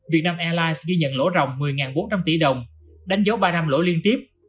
việt nam airlines ghi nhận lỗ rồng một mươi bốn trăm linh tỷ đồng đánh dấu ba năm lỗ liên tiếp